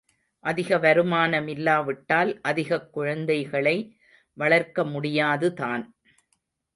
அதிக வருமானமில்லாவிட்டால் அதிகக் குழந்தைகளை வளர்க்க முடியாது தான்.